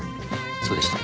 そうでした。